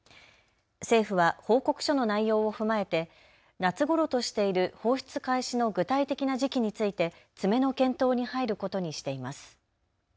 政府は報告書の内容を踏まえて夏ごろとしている放出開始の具体的な時期について詰めの検討に入ることにしています。